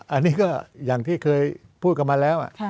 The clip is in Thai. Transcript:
อันนี้ก็อย่างที่เคยพูดกันมาแล้ว